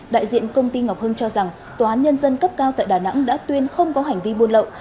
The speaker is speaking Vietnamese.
đại diện công ty ngọc hưng cho rằng tòa án nhân dân cấp cao tại đà nẵng đã tuyên không có hành vi buôn lậu